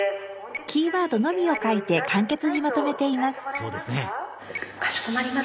キーワードのみを書いて簡潔にまとめています。